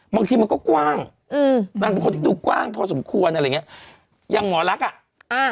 บางทีมันก็กว้างอือมันควรดูกว้างพอสมควรอ่ะเหมือนมอลักษณ์อ่ะ